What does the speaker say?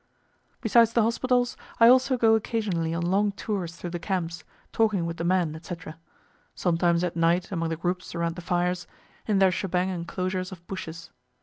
Besides the hospitals, I also go occasionally on long tours through the camps, talking with the men, &c. Sometimes at night among the groups around the fires, in their shebang enclosures of bushes.